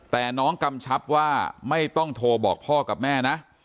แต่น้องกำชับว่าไม่ต้องโทรบอกพ่อกับแม่นะ